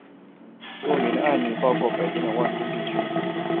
著名的案例包括北京的望京地区和上海的浦东新区。